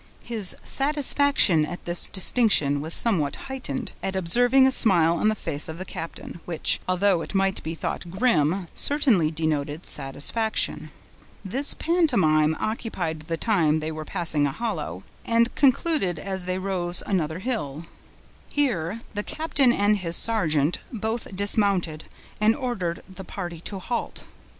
His satisfaction at this distinction was somewhat heightened, at observing a smile on the face of the captain, which, although it might be thought grim, certainly denoted satisfaction. This pantomime occupied the time they were passing a hollow, and concluded as they rose another hill. Here the captain and his sergeant both dismounted, and ordered the party to halt.